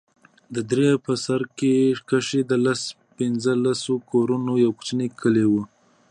د درې په سر کښې د لس پينځه لسو کورونو يو کوچنى کلى و.